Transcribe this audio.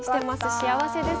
幸せです。